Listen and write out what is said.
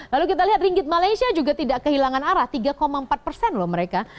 lalu kita lihat ringgit malaysia juga tidak kehilangan arah tiga empat persen loh mereka